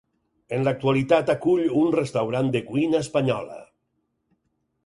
En l'actualitat acull un restaurant de cuina espanyola.